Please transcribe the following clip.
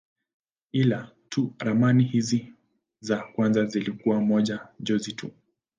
Ila tu ramani hizi za kwanza zilikuwa kama njozi tu.